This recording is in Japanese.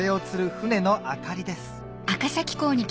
船の明かりです